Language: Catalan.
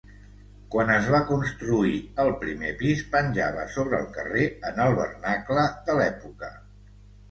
Quan es va construir, el primer pis penjava sobre el carrer en el vernacle de l'època.